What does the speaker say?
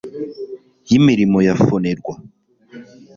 y imirimo ya FONERWA